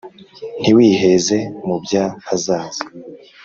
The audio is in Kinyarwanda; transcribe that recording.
ntiwiiheeze mu by’ahazaza